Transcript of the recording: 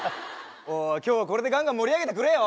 今日はこれでガンガン盛り上げてくれよ。